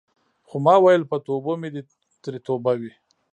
خو ما ویل په توبو مې دې ترې توبه وي.